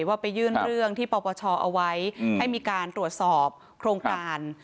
ว่าไปยื่นเรื่องที่ปปชเอาไว้ให้มีการตรวจสอบโครงการ